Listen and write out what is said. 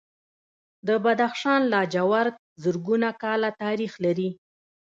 د بدخشان لاجورد زرګونه کاله تاریخ لري